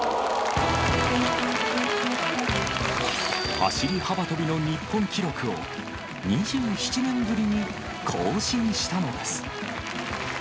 走り幅跳びの日本記録を２７年ぶりに更新したのです。